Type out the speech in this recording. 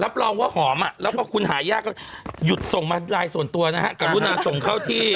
รองว่าหอมอ่ะแล้วก็คุณหายากก็หยุดส่งมาไลน์ส่วนตัวนะฮะกรุณาส่งเข้าที่